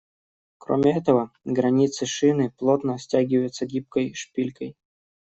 Кроме этого, границы шины плотно стягиваются гибкой шпилькой.